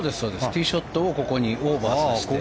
ティーショットをここにオーバーさせて。